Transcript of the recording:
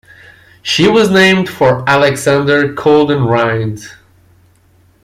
She was named for Alexander Colden Rhind.